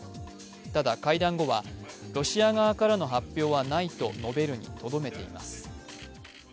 ただ、会談後はロシア側からの発表はないと述べるにとどまっています。